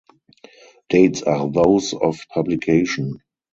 Dates are those of publication.